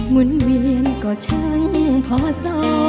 หมุนเวียนก็ชั้นพอซ้อ